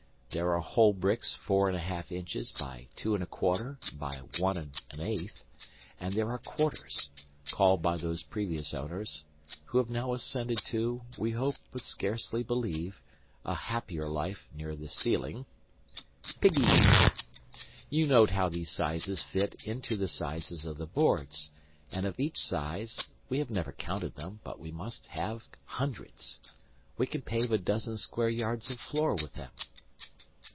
There are whole bricks 4 1/2 inches x 2 1/4 x 1 1/8; and there are quarters called by those previous owners (who have now ascended to, we hope but scarcely believe, a happier life near the ceiling) "piggys." You note how these sizes fit into the sizes of the boards, and of each size we have never counted them, but we must have hundreds. We can pave a dozen square yards of floor with them.